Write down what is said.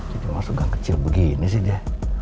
jadi masuk gang kecil begini sih dia